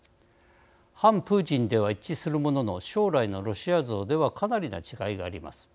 反プーチンでは一致するものの将来のロシア像ではかなりな違いがあります。